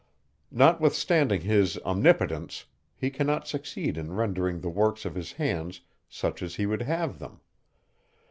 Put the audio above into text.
Notwithstanding his omnipotence, he cannot succeed in rendering the works of his hands such as he would have them.